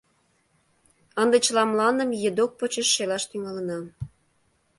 Ынде чыла мландым едок почеш шелаш тӱҥалына.